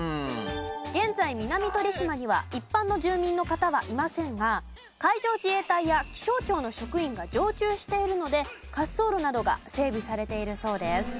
現在南鳥島には一般の住民の方はいませんが海上自衛隊や気象庁の職員が常駐しているので滑走路などが整備されているそうです。